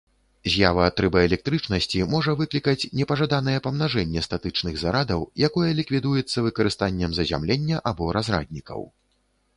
З'ява трыбаэлектрычнасці можа выклікаць непажаданае памнажэнне статычных зарадаў, якое ліквідуецца выкарыстаннем зазямлення або разраднікаў.